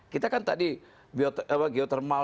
kita kan tadi geotermal